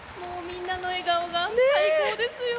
みんなの笑顔が最高ですよ。